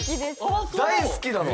大好きなの？